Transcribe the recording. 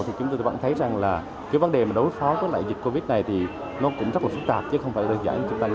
thì chúng tôi vẫn thấy rằng là cái vấn đề mà đối phó với lại dịch covid này thì nó cũng rất là phức tạp chứ không phải là dễ dàng như chúng ta nghĩ